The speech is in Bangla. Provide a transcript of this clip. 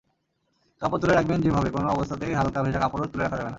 কাপড় তুলে রাখবেন যেভাবেকোনো অবস্থাতেই হালকা ভেজা কাপড়ও তুলে রাখা যাবে না।